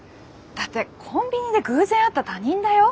だってコンビニで偶然会った他人だよ？